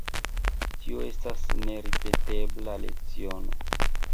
Tio estas neripetebla leciono.